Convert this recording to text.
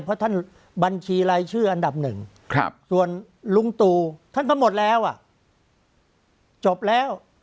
เพราะท่านบัญชีรายชื่ออันดับหนึ่งส่วนลุงตู่ท่านก็หมดแล้วจบแล้ว